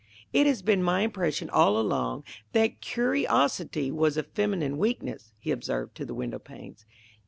"It has been my impression all along that curiosity was a feminine weakness," he observed to the windowpanes.